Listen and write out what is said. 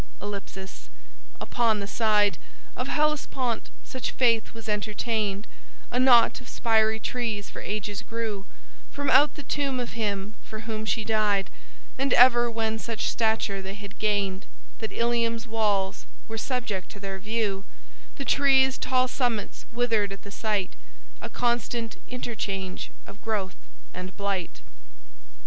"... upon the side Of Hellespont (such faith was entertained) A knot of spiry trees for ages grew From out the tomb of him for whom she died; And ever when such stature they had gained That Ilium's walls were subject to their view, The trees' tall summits withered at the sight, A constant interchange of growth and blight!"